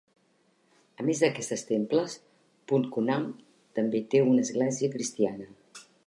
A més d'aquests temples, Punkunnam també té una església cristiana.